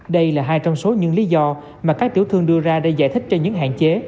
đây là hai trong số những lý do mà các tiểu thương đưa ra để giải thích cho những hạn chế